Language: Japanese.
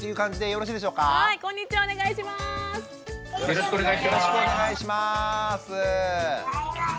よろしくお願いします。